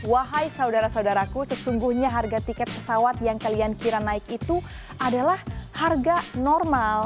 wahai saudara saudaraku sesungguhnya harga tiket pesawat yang kalian kira naik itu adalah harga normal